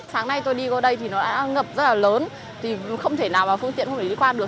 sáng nay tôi đi qua đây thì nó đã ngập rất là lớn thì không thể nào mà phương tiện không phải đi qua được